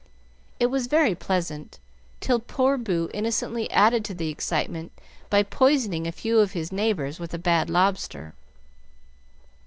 It was very pleasant, till poor Boo innocently added to the excitement by poisoning a few of his neighbors with a bad lobster.